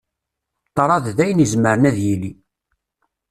Ṭṭraḍ d ayen izemren ad d-yili.